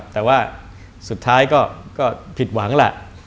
แต่ว่าสุดท้ายก็ผิดหวังแหละ